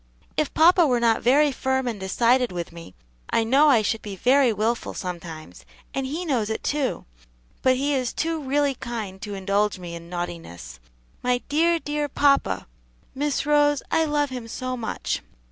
"If papa were not very firm and decided with me, I know I should be very wilful sometimes, and he knows it, too; but he is too really kind to indulge me in naughtiness. My dear, dear papa! Miss Rose, I love him so much."